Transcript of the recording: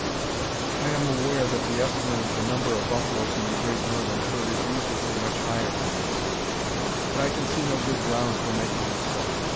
I am aware that the estimate of the number of buffaloes in the great northern herd is usually much higher than this, but I can see no good grounds for making it so.